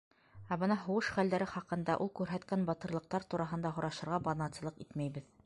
Ә бына һуғыш хәлдәре хаҡында, ул күрһәткән батырлыҡтар тураһында һорашырға баҙнатсылыҡ итмәйбеҙ.